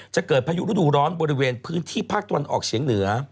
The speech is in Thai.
จะเกิดพายุฤดูร้อนบริเวณพื้นที่ภาคตะวันออกเฉียงเหนือ